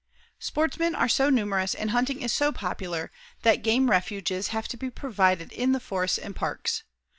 Sportsmen are so numerous and hunting is so popular, that game refuges have to be provided in the forests and parks.